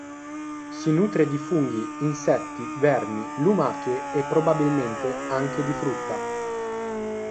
Si nutre di funghi, insetti, vermi, lumache e probabilmente anche di frutta.